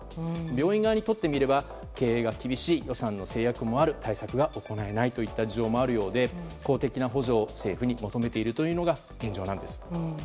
病院側にとってみれば経営が厳しい、予算の制約もある対策が行えないという事情もあるようで公的な補助を政府に求めているというのが現状なんです。